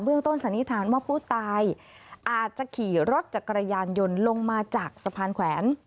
ต้นสันนิษฐานว่าผู้ตายอาจจะขี่รถจักรยานยนต์ลงมาจากสะพานแขวน